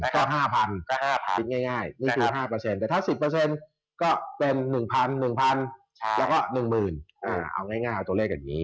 ก็๕๐๐๐นี่คือ๕แต่ถ้า๑๐ก็เป็น๑๐๐๐แล้วก็๑๐๐๐๐เอาง่ายตัวเลขแบบนี้